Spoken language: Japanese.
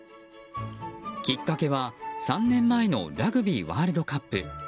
きっかけは３年前のラグビーワールドカップ。